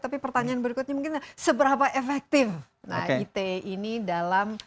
tapi pertanyaan berikutnya mungkin seberapa efektif nah ite ini dalam